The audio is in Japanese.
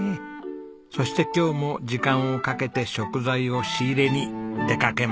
そして今日も時間をかけて食材を仕入れに出かけます。